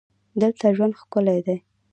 دلته ژوند ښکلی دی.